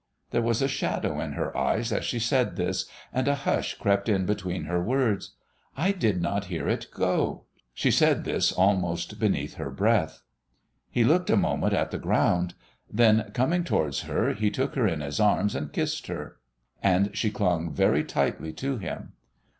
There was a shadow in her eyes as she said this, and a hush crept in between her words. "I did not hear it go." She said this almost beneath her breath. He looked a moment at the ground; then, coming towards her, he took her in his arms and kissed her. And she clung very tightly to him.